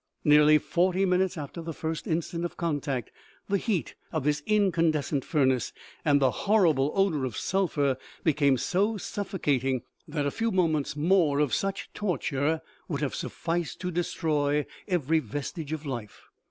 Nearly forty minutes after the first instant of contact, the heat of this incandescent furnace, and the horrible odor of sulphur, became so suffocating that a few moments more of such torture would have sufficed to destroy every vestige of life.